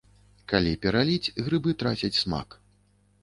Калі пераліць, грыбы трацяць смак.